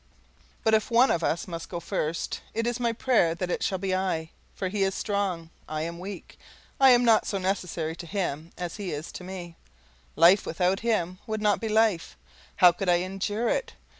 But if one of us must go first, it is my prayer that it shall be I; for he is strong, I am weak, I am not so necessary to him as he is to me life without him would not be life; how could I endure it?